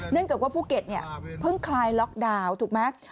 เนื่องจากว่าภูเก็ตเนี่ยเพิ่งคลายล็อกดาวน์ถูกไหม